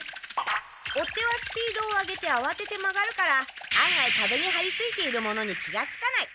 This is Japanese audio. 追っ手はスピードを上げてあわてて曲がるから案外壁にはりついているものに気がつかない。